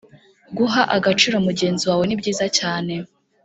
guha agaciro mugenzi wawe nibyiza cyane